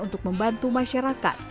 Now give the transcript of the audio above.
untuk membantu masyarakat